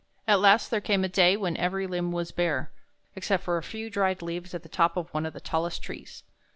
At last there came a day when every limb was bare, except for a few dried leaves at the top of one of the tallest trees.